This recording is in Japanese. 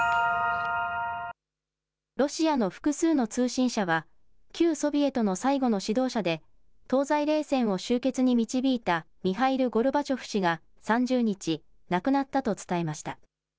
ロシアの複数の通信社は旧ソビエトの最後の指導者で東西冷戦を終結に導いたミハイル・ゴルバチョフ氏が３０日、亡くなったと伝えました。